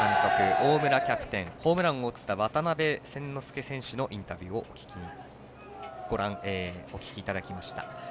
大村キャプテンホームランを打った渡邉千之亮選手のインタビューをお聞きいただきました。